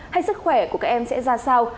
hay sức khỏe của các em sẽ ra sao